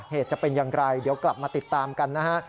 จะเป็นอย่างไรเดี๋ยวกลับมาติดตามกันนะฮะ